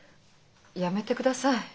やめてください。